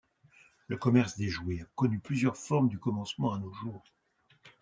Le commerce des jouets a connu plusieurs formes du commencement à nos jours.